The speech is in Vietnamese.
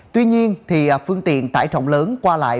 tuy nhiên phương tiện tải trọng lớn qua lại